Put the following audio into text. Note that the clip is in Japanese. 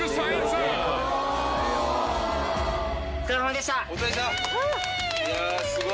お疲れさまでした。イェイ！